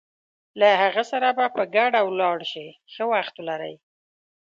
له هغه سره به په ګډه ولاړ شې، ښه وخت ولرئ.